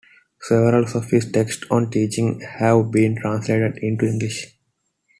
Several of his texts on teaching have beenn translated into English.